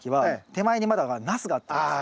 手前にまだナスがあったんです。